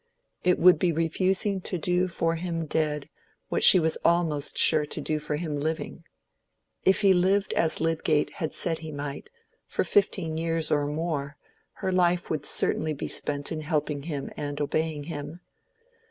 It would be refusing to do for him dead, what she was almost sure to do for him living. If he lived as Lydgate had said he might, for fifteen years or more, her life would certainly be spent in helping him and obeying him.